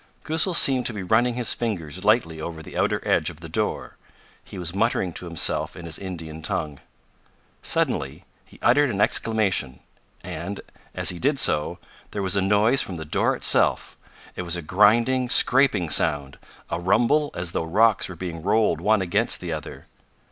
Goosal seemed to be running his fingers lightly over the outer edge of the door. He was muttering to himself in his Indian tongue. Suddenly he uttered an exclamation, and, as he did so, there was a noise from the door itself. It was a grinding, scraping sound, a rumble as though rocks were being rolled one against the other.